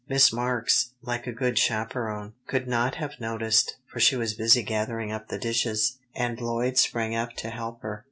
Miss Marks, like a good chaperone, could not have noticed, for she was busy gathering up the dishes, and Lloyd sprang up to help her.